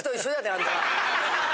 あんた！